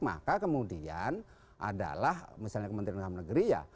maka kemudian adalah misalnya kementerian dalam negeri ya